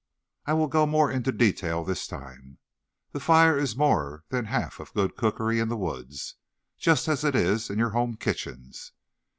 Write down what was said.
"I will go more into detail this time. The fire is more than half of good cookery in the woods, just as it is in your home kitchens.